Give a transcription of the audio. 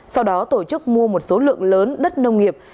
sau đó tổ chức mua một số lượng lớn đất nông nghiệp